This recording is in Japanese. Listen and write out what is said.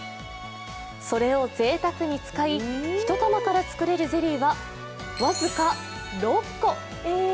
それをぜいたくに使い１玉から作れるゼリーはわずか６個。